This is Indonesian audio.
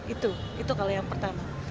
itu itu kalau yang pertama